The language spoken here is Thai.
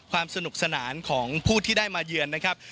ความสนุกสนานของผู้ที่ได้มาเยือนนะครับ